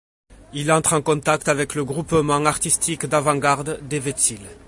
Il entre en contact avec le groupement artistique d'avant-garde Devětsil.